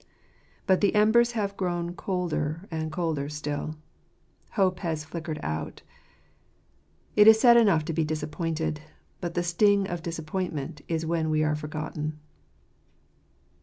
But the embers have grown colder and colder still. Hope has flickered out. It is sad enough to be disappointed; but the sting of disappointment is when we are forgotten.